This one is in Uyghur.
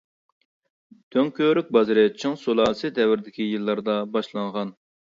دۆڭكۆۋرۈك بازىرى چىڭ سۇلالىسى دەۋرىدىكى يىللاردا باشلانغان.